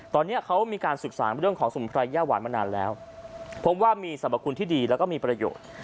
ตอนเนี้ยเขามีการสุขศาลประดงของสุมภัยหญ้าหวานมานานแล้วผมว่ามีสำคัญที่ดีแล้วก็มีประโยชน์